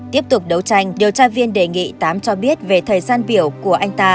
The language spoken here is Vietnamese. tiếp tục đấu tranh điều tra viên đề nghị tám cho biết về thời gian biểu của anh ta